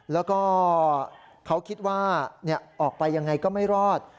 แล้วก็เขาคิดว่าออกไปยังไงก็ไม่รอด